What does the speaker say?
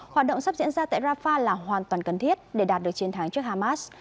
hoạt động sắp diễn ra tại rafah là hoàn toàn cần thiết để đạt được chiến thắng trước hamas